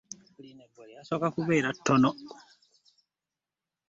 Lino ebwa lyasooka kubeera tono.